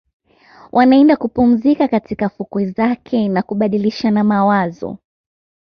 Wanaenda kupumzika katika fukwe zake na kubadilishana mawazo